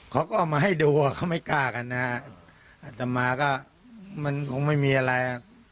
เค้าก็เอามาให้ดูเค้าไม่กล้ากันอาจจะมาก็มันคงไม่มีอะไร